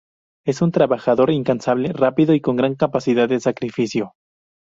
Es un trabajador incansable, rápido y con gran capacidad de sacrificio.